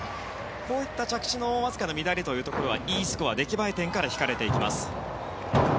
こういった着地のわずかな乱れというところはＥスコア、出来栄え点から引かれていきます。